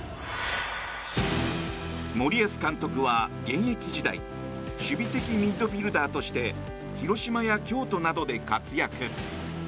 森保監督は現役時代守備的ミッドフィールダーとして広島や京都などで活躍。